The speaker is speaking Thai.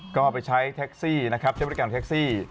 ก็ไปใช้แท็กซี่นะครับใช้บริการแท็กซี่